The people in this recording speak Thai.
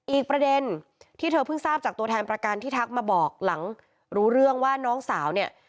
อีกประเด็นที่เธอเพิ่งทราบจากตัวแทนประกันที่ทักมาบอกหลังรู้เรื่องว่าน้องสาวเนี่ย